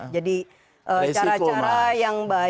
jadi cara cara yang baik